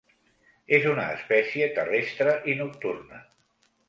És una espècie terrestre i nocturna.